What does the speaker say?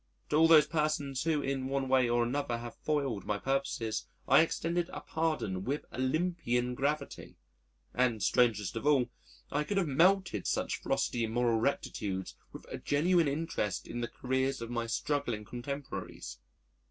To all those persons who in one way or another had foiled my purposes I extended a pardon with Olympian gravity, and, strangest of all, I could have melted such frosty moral rectitudes with a genuine interest in the careers of my struggling contemporaries.